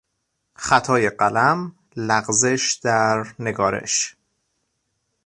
خطای قلم، لغزش در نگارش